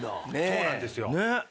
そうなんですよ。